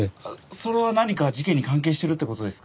それは何か事件に関係してるって事ですか？